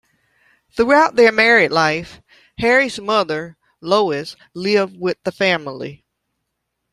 Throughout their married life, Harry's mother, Lois, lived with the family.